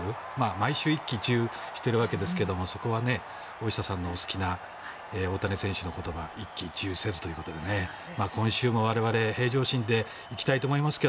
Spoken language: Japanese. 毎週一喜一憂しているわけですけどそこは大下さんの好きな大谷選手の言葉一喜一憂せずということで今週も我々平常心で行きたいと思いますが